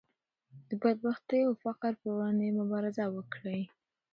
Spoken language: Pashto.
د بدبختۍ او فقر پر وړاندې مبارزه وکړئ.